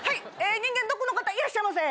人間ドックの方いらっしゃいませ。